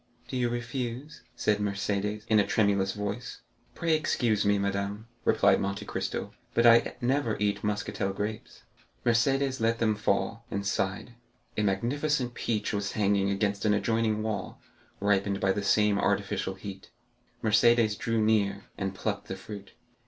"Do you refuse?" said Mercédès, in a tremulous voice. "Pray excuse me, madame," replied Monte Cristo, "but I never eat Muscatel grapes." Mercédès let them fall, and sighed. A magnificent peach was hanging against an adjoining wall, ripened by the same artificial heat. Mercédès drew near, and plucked the fruit.